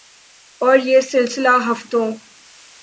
اور یہ سلسلہ ہفتوں